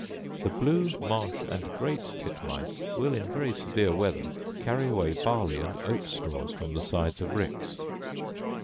The blue, marsh, and great titmice will, in very severe weather, carry away barley and oat straws from the sides of ricks.